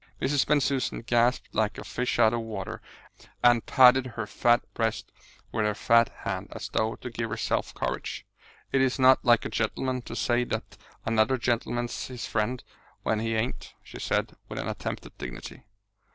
Mrs. Bensusan gasped like a fish out of water, and patted her fat breast with her fat hand, as though to give herself courage. "It is not like a gentleman to say that another gentleman's his friend when he ain't," she said, with an attempt at dignity.